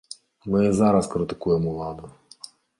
Мы і зараз крытыкуем уладу.